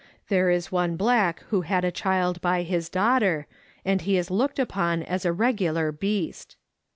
There is one black who had a child by his daughter, and he is looked upon as a regular beast.